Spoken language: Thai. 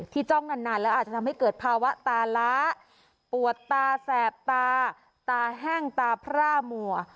จ้องนานแล้วอาจจะทำให้เกิดภาวะตาล้าปวดตาแสบตาตาแห้งตาพร่ามัว